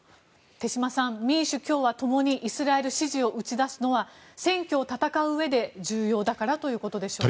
手嶋さん、民主・共和共にイスラエル支持を打ち出すのは選挙を戦ううえで重要だからということでしょうか？